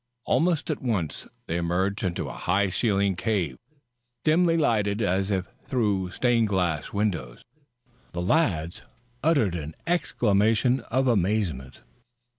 Almost at once they emerged into a high ceilinged cave, dimly lighted as if through stained glass windows. The lads uttered an exclamation of amazement.